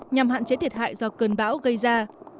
nhằm hạn chế thiệt hại do cơn bão gây ra